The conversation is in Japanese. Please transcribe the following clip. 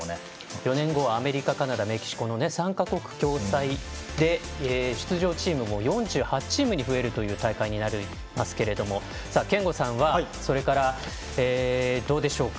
４年後はアメリカ、カナダメキシコの３か国共催で出場チームも４８チームに増えるという大会になりますけども憲剛さんはどうでしょうか。